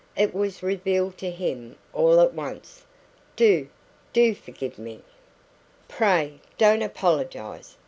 It was revealed to him all at once. "Do DO forgive me!" "Pray don't apologise!"